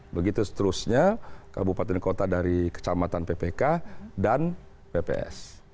begitu seterusnya kabupaten kota dari kecamatan ppk dan pps